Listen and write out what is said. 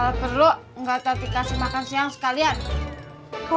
laper bukan berarti nyewekin aku kali cuy